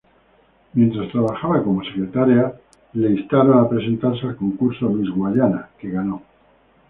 Mientras trabajaba como secretaria, la instaron a presentarse al concurso Miss Guyana, que ganó.